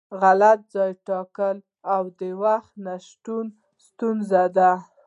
غلط ځای ټاکل او د وخت نشتون ستونزې دي.